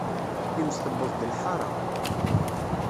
Times tewweḍ-d lḥaṛa!